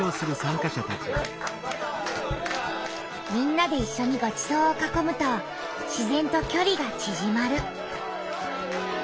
みんなでいっしょにごちそうをかこむと自ぜんときょりがちぢまる。